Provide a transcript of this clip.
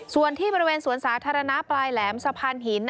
ส่วนที่บริเวณสวนสาธารณะปลายแหลมสะพานหิน